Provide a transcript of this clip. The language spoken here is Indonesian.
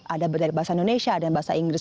ada dari bahasa indonesia ada bahasa inggris